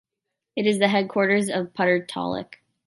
It is the headquarters of the Puttur Taluk.